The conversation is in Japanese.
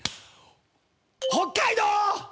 北海道！